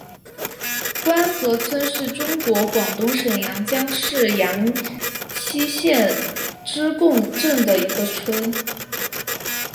官河村是中国广东省阳江市阳西县织贡镇的一个村。